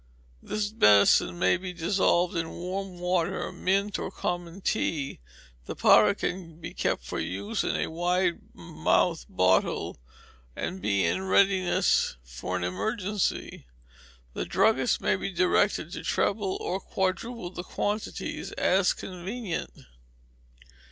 This medicine may be dissolved in warm water, mint, or common tea. The powder can be kept for use in a wide mouthed bottle, and be in readiness for any emergency. The druggist may be directed to treble or quadruple the quantities, as convenient.